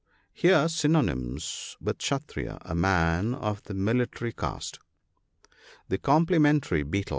— Here synonymous with " Kshattriya," a man of the military caste. (9i.) The complimentary betel.